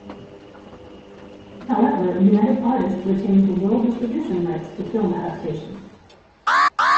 However United Artists retains the world distribution rights to film adaptations.